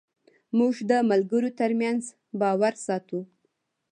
موږ د ملګرو تر منځ باور ساتو.